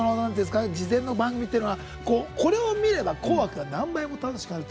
事前の番組っていうのはこれを見れば「紅白」が何倍も楽しくなる。